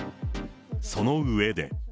そのうえで。